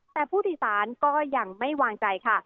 แต่ผู้โดยสารก็ยังไม่วางใจค่ะ